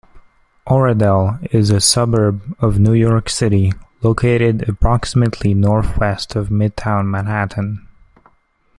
Oradell is a suburb of New York City, located approximately northwest of Midtown Manhattan.